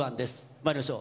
まいりましょう。